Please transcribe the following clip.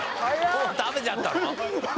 もう食べちゃったの？